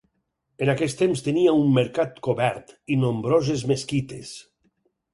En aquest temps tenia un mercat cobert i nombroses mesquites.